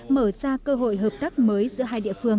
mở ra cơ hội hợp tác mới giữa hai địa phương